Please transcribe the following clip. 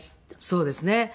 そうですね。